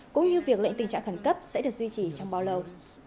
cũng như việc lệnh tình trạng khẩn cấp sẽ được duy trì trong bao lâu